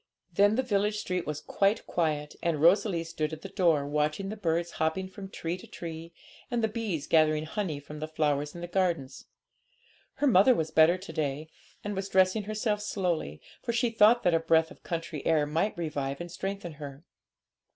Then the village street was quite quiet, and Rosalie stood at the door, watching the birds hopping from tree to tree, and the bees gathering honey from the flowers in the gardens. Her mother was better to day, and was dressing herself slowly, for she thought that a breath of country air might revive and strengthen her.